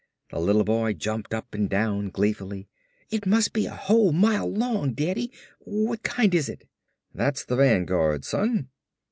The little boy jumped up and down gleefully. "It must be a whole mile long, Daddy! What kind is it?" "That's the Vanguard, son."